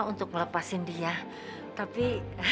untuk melepasin dia tapi